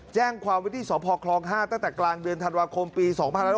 แจ้งความวิธีสพคล๕ตั้งแต่กลางเดือนธันวาคมปี๒๕๖๒